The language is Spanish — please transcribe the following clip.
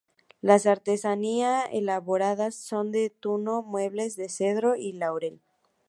Las artesanía elaboradas son de tuno, muebles de cedro y laurel.